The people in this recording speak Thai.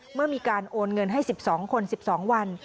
เมื่อมีการโอนเงินให้๑๒คน๑๒วัน